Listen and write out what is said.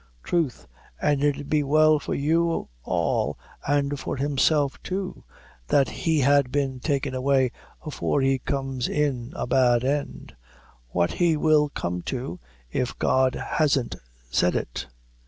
"Troth, an' it 'ud be well for you all, an' for himself too, that he had been taken away afore he comes in a bad end. What he will come too, if God hasn't said it.